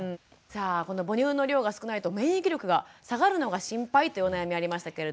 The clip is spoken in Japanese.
さあこの母乳の量が少ないと免疫力が下がるのが心配というお悩みありましたけれども笠井さん